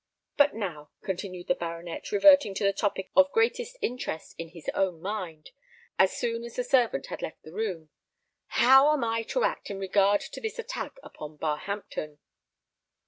"But now," continued the baronet, reverting to the topic of greatest interest in his own mind, as soon as the servant had left the room, "how am I to act in regard to this attack upon Barhampton?"